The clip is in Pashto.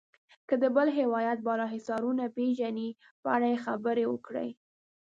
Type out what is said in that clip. که د بل ولایت بالا حصارونه پیژنئ په اړه یې خبرې وکړئ.